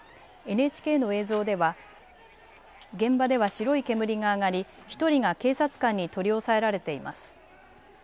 ＮＨＫの映像では現場では白い煙が上がり１人が警察官に取り押さえられています。